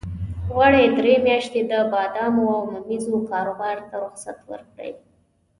غواړي درې میاشتې د بادامو او ممیزو کاروبار ته رخصت ورکړي.